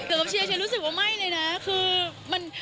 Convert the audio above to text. กับเชียร์เชียรู้สึกว่าไม่เลยนะคือมัน